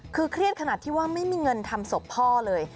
คือเครียดขนาดที่ว่าไม่มีเงินทำศพพ่อเลย